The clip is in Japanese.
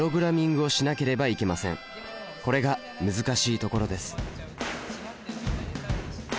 これが難しいところです。